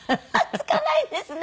つかないですね。